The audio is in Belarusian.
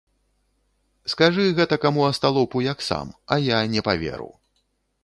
Скажы гэтакаму асталопу, як сам, а я не паверу.